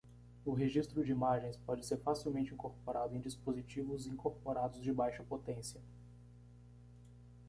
O registro de imagens pode ser facilmente incorporado em dispositivos incorporados de baixa potência.